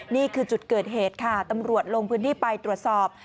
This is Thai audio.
นี่คือจุดเกิดเหตุค่ะตำรวจลงพื้นที่ไปตรวจสอบ